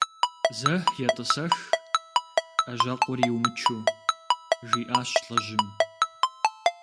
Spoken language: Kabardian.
«Зэ етӏысэх, ӏэжьэкъур йумычу», жиӏащ лӏыжьым.